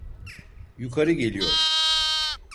Yukarı geliyor.